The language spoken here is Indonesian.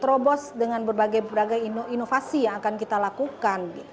terobos dengan berbagai berbagai inovasi yang akan kita lakukan